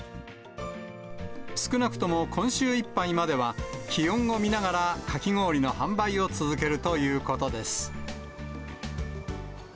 少なくとも今週いっぱいまでは、気温を見ながらかき氷の販売を続けるということです。